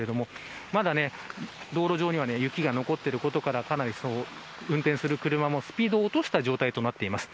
まだ、道路上には雪が残っていることからかなり運転する車も、スピードを落とした状態となっています。